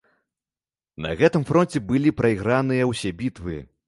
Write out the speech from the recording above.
На гэтым фронце былі прайграныя ўсе бітвы.